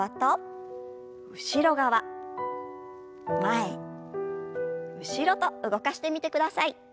前後ろと動かしてみてください。